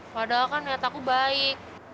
padahal kan niat aku baik